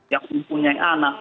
yang mempunyai anak